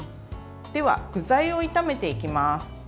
では、具材を炒めていきます。